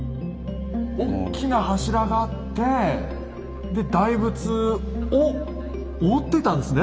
おっきな柱があってで大仏を覆ってたんですね。